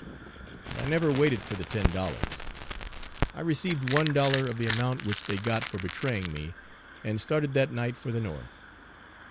But I never waited for the ten dollars. I received one dollar of the amount which they got for betraying me, and started that night for the north.